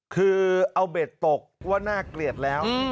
คือเอาเบ็ดตกว่าน่าเกลียดแล้ว